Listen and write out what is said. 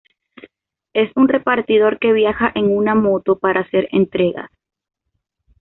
Es un repartidor que viaja en una moto para hacer entregas.